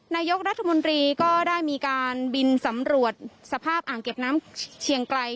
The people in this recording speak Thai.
นายกรัฐมนตรีก็ได้มีการบินสำรวจสภาพอ่างเก็บน้ำเชียงไกล